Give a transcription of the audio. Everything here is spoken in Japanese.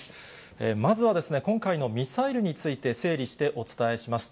まずは、今回のミサイルについて、整理してお伝えします。